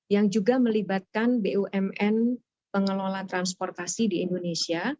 yang juga melibatkan bumn pengelola transportasi di indonesia